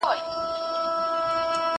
زه اوس زده کړه کوم؟